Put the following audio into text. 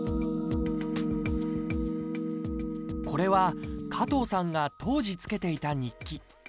これは加藤さんが当時つけていた日記。